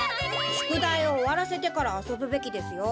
しゅくだいをおわらせてからあそぶべきですよ。